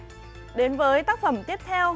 và đến với tác phẩm tiếp theo